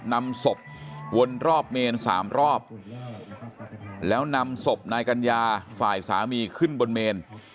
นำศพวนรอบเมน๓รอบแล้วนำศพนายกัญญาฝ่ายสามีขึ้นบนเมน